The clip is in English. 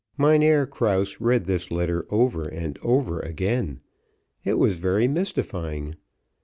Mynheer Krause read this letter over and over again, it was very mystifying.